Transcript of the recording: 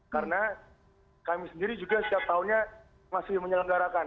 karena kami sendiri juga setiap tahunnya masih menyelenggarakan